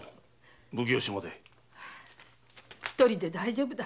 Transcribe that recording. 一人で大丈夫だ。